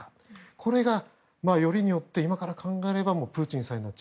これがよりによって今から考えればプーチンさんだけ。